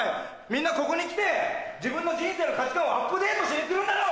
みんなここに来て自分の人生の価値観をアップデートしに来るんだろ！